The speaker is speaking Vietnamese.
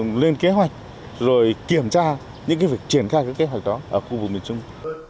chúng tôi cần phải có một kế hoạch rồi kiểm tra những việc triển khai kế hoạch đó ở khu vực miền trung